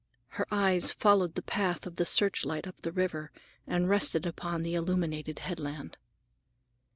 Her eyes followed the path of the searchlight up the river and rested upon the illumined headland.